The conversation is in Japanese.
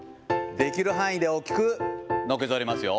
できる範囲で大きくのけ反りますよ。